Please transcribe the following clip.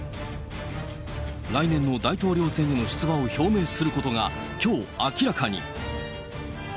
来年の大統領選への出馬を表明することがきょう、明らかに。